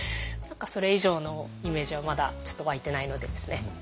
何かそれ以上のイメージはまだちょっと湧いてないのでですね